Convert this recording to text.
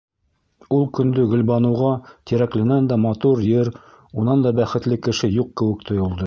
Ул көндө Гөлбаныуға Тирәкленән дә матур ер, унан да бәхетле кеше юҡ кеүек тойолдо.